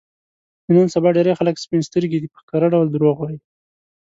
د نن سبا ډېری خلک سپین سترګي دي، په ښکاره ډول دروغ وايي.